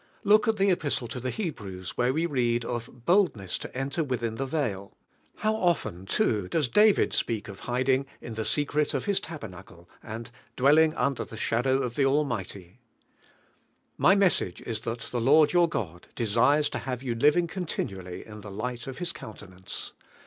Look at the Epislle to [he Hebrews, where we read of "boldness to oilier within the veil"; how often, too, does David speai of hiding "in the secret or His tabernacle," anil "dwelling under the shadow of Die Almighty,*' My message is that the Lord your God desires fo have yon living continually in (lie light of His countenance.